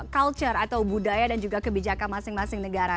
culture atau budaya dan juga kebijakan masing masing negara